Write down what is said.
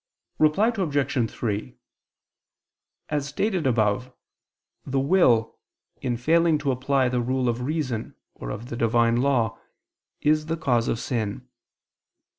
Reply Obj. 3: As stated above, the will in failing to apply the rule of reason or of the Divine law, is the cause of sin.